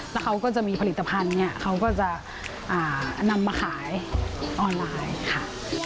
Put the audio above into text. แล้วเขาก็จะมีผลิตภัณฑ์เนี่ยเขาก็จะนำมาขายออนไลน์ค่ะ